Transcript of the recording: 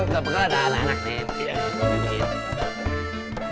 gak pegang ada anak anak